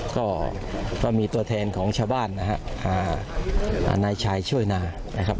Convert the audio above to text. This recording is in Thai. ก็มีตัวแทนของชาวบ้านนะฮะนายชายช่วยนานะครับ